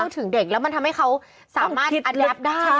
ถึงเด็กแล้วมันทำให้เขาสามารถอัดแรปได้